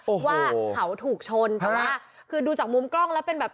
เพราะว่าเขาถูกชนแต่ว่าคือดูจากมุมกล้องแล้วเป็นแบบ